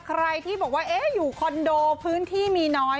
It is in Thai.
ใครที่บอกว่าอยู่คอนโดพื้นที่มีน้อย